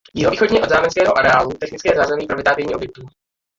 Jihovýchodně od zámeckého areálu technické zázemí pro vytápění objektů.